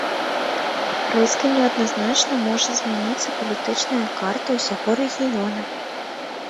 Рэзка і неадназначна можа змяніцца палітычная карта ўсяго рэгіёна.